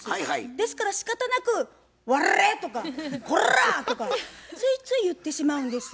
ですからしかたなく「ワレ！」とか「コラ！」とかついつい言ってしまうんです。